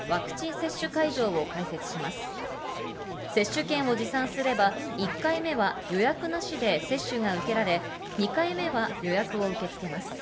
接種券を持参すれば、１回目は予約なしで接種が受けられ、２回目は予約を受け付けます。